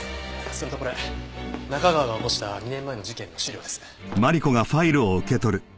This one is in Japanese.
それとこれ中川が起こした２年前の事件の資料です。